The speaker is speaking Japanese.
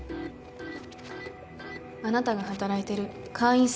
あなたが働いてる会員制